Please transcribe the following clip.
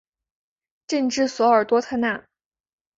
镇治索尔多特纳。